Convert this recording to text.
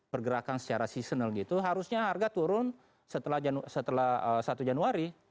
pergerakan secara seasonal gitu harusnya harga turun setelah satu januari